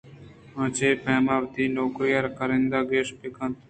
آ چے پیم وتی نوکری ءِ کاررَہبند ءَ گیشّنت بہ کنت